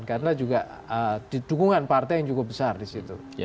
karena juga di dukungan partai yang cukup besar disitu